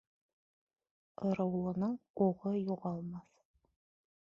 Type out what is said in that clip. Ырыулының уғы юғалмаҫ.